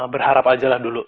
berharap aja lah dulu